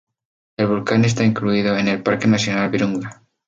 El volcán está incluido en el Parque nacional Virunga.